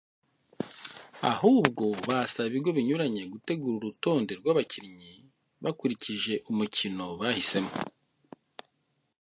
ahubwo basaba ibigo binyuranye gutegura urutonde rw’abakinnyi bakurikije umukino bahisemo